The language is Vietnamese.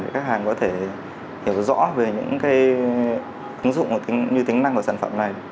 để các khách hàng có thể hiểu rõ về những cái ứng dụng như tính năng của sản phẩm này